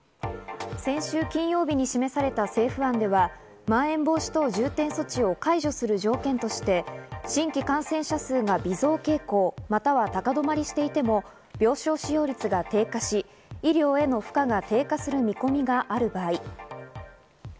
先週金曜日に示された政府案ではまん延防止等重点措置を解除する条件として、新規感染者数が微増傾向、または高止まりしていても病床使用率が低下し、医療への負荷が低下する見込みがある場合。